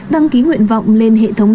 đăng ký nguyện vọng lên hệ thống